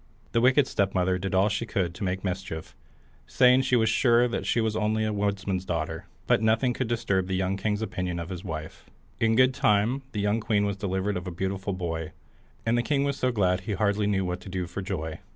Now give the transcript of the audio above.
The wicked stepmother did all she could to make mischief, saying she was sure she was only a woodman's daughter; but nothing could disturb the young king's opinion of his wife. In good time the young queen was delivered of a beautiful boy, and the king was so glad he hardly knew what to do for joy.